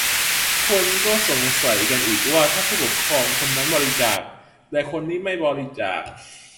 คนก็สงสัยกันอีกว่า ถ้าผู้ปกครองคนนั้นบริจาค แต่คนนี้ไม่บริจาค